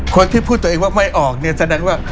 คนที่พูดตัวเองว่าไม่ออกเนี่ยแสดงว่า